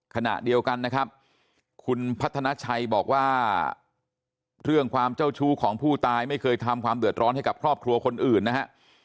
ขณะเดียวกันนะครับคุณพัฒนาชัยบอกว่าเรื่องความเจ้าชู้ของผู้ตายไม่เคยทำความเดือดร้อนให้กับครอบครัวคนอื่นนะฮะ